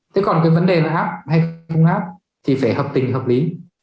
thế còn cái vấn đề là áp hay khung áp thì phải hợp tình hợp lý